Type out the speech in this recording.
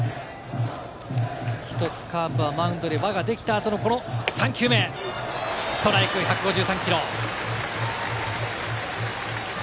１つ、カープはマウンドに輪ができた後にこの３球目、ストライク、１５３キロ。